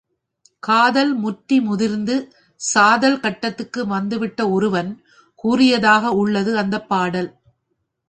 காதல் முற்றி முதிர்ந்து சாதல் கட்டத்துக்கு வந்துவிட்ட ஒருவன் கூறியதாக உள்ளது அந்தப் பாடல்.